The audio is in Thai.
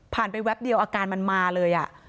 ผ่านไปแว็บเดียวอาการมันมาเลย